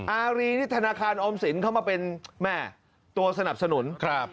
อารีนี่ธนาคารออมสินเข้ามาเป็นแม่ตัวสนับสนุนครับ